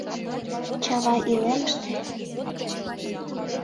Чавай илемыште